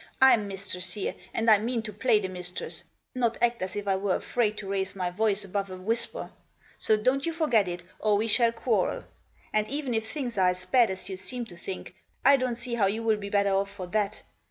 Pm mistress here, and I mean to play the mistress ; not act as if I were afraid to raise my voice above a whis per. So don't you forget it, or we shall quarrel ; and, even if things are as bad as you seem to think, I dont see how you'll be better off for that.